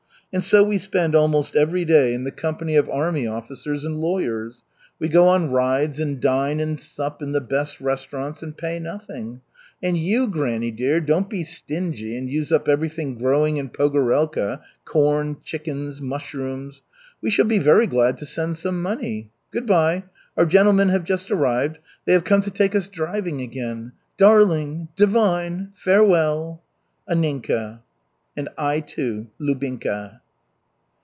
And so we spend almost every day in the company of army officers and lawyers. We go on rides and dine and sup in the best restaurants, and pay nothing. And you, granny dear, don't be stingy and use up everything growing in Pogorelka, corn, chickens, mushrooms. We shall be very glad to send some money. Good by. Our gentlemen have just arrived. They have come to take us driving again. Darling! Divine! Farewell! /$ ANNINKA. And I, too LUBINKA."